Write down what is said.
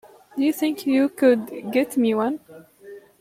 Do you think you could get me one?